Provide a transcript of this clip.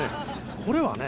これはね